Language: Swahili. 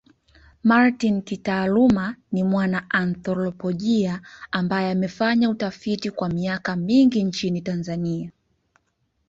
Martin kitaaluma ni mwana anthropolojia ambaye amefanya utafiti kwa miaka mingi nchini Tanzania.